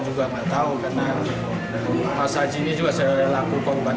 sudah berapa biaya yang dikeluarkan